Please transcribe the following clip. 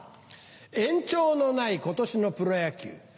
延長のない今年のプロ野球。